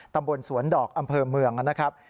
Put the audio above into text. ตำบลสวนดอกอำเภอเมืองนะครับ